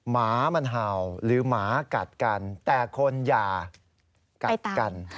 หมามันเห่าหรือหมากัดกันแต่คนอย่ากัดกัน